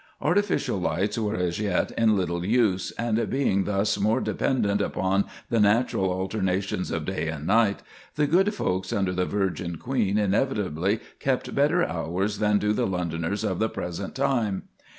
Artificial lights were as yet in little use, and being thus more dependent upon the natural alternations of day and night, the good folks under the Virgin Queen inevitably kept better hours than do the Londoners of the present time.